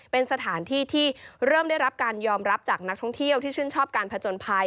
เป็นสถานที่ที่เริ่มได้รับการยอมรับจากนักท่องเที่ยวที่ชื่นชอบการผจญภัย